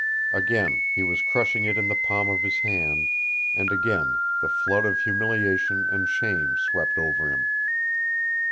Again he was crushing it in the palm of his hand, and again the flood of humiliation and shame swept over him.